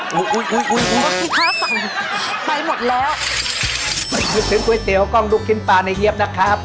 หลุกชินกุ้ยเตียวกล่องหลุกชินปลาในเหยียบนะครับ